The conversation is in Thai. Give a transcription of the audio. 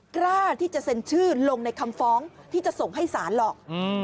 กล้าที่จะเซ็นชื่อลงในคำฟ้องที่จะส่งให้ศาลหรอก